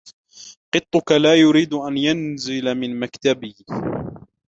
قطك لا يريد أن ينزل من مكتبي.